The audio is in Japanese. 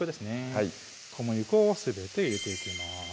はい小麦粉をすべて入れていきます